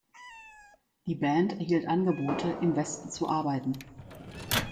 Die Band erhielt Angebote, im Westen zu arbeiten.